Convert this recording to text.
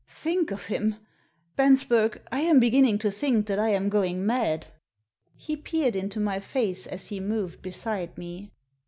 "Think of him! Bensbei^, I am beginning to think that I am going mad." He peered into my face as he moved beside me.